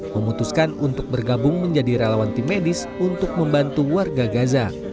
memutuskan untuk bergabung menjadi relawan tim medis untuk membantu warga gaza